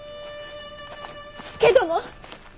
佐殿！